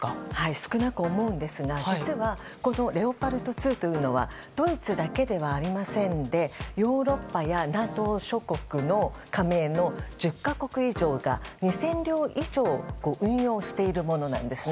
少なく思うんですが実は、このレオパルト２はドイツだけではありませんでヨーロッパやＮＡＴＯ加盟諸国の１０か国以上が２０００両以上運用しているものなんですね。